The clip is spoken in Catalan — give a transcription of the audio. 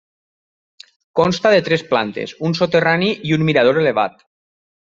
Consta de tres plantes, un soterrani i un mirador elevat.